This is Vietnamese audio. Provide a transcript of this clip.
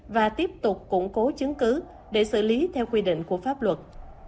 và tiếp tục củng cố chứng cứ để xử lý theo quy định của pháp luật